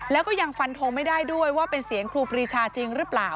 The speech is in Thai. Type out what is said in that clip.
แล้วก็ยังฟันทงไม่ได้ด้วยว่าเป็นเสียงครูปรีชาจริงหรือเปล่า